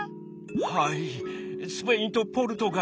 「はいスペインとポルトガルと。